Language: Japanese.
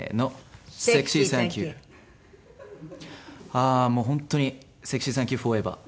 ああもう本当にセクシーサンキューフォーエバー。